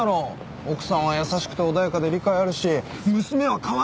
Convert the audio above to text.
奥さんは優しくて穏やかで理解あるし娘はカワイイ。